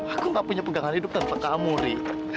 aku nggak punya pegangan hidup tanpa kamu ri